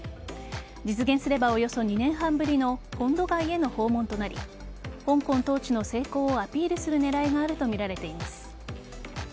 実現すれば、およそ２年半ぶりの本土外への訪問となり香港統治の成功をアピールする狙いがあるとみられています。